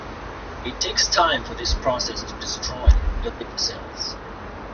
It takes time for this process to destroy the liver cells.